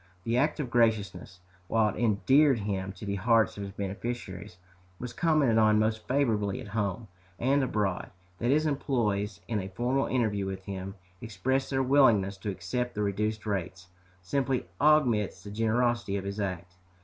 This act of graciousness, while it endeared him to the hearts of his beneficiaries, was commented on most favorably at home and abroad. That his employés, in a formal interview with him, expressed their willingness to accept the reduced rates, simply augments the generosity of his act."